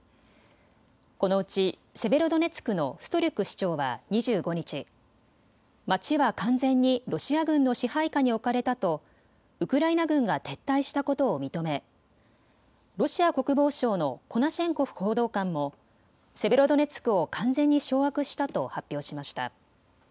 このうちセベロドネツクのストリュク市長は２５日、街は完全にロシア軍の支配下に置かれたとウクライナ軍が撤退したことを認めロシア国防省のコナシェンコフ報道官もセベロドネツクを完全に掌握したと発表しました。